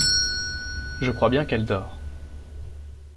Je crois bien qu’elle dort.